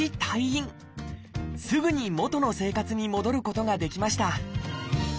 すぐに元の生活に戻ることができました